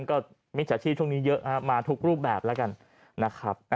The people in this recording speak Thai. ก็มิจฉาชีพช่วงนี้เยอะมาทุกรูปแบบแล้วกันนะครับ